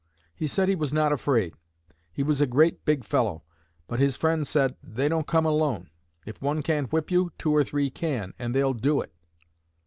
He said he was not afraid. He was a great big fellow. But his friend said, 'They don't come alone. If one can't whip you, two or three can, and they'll do it.'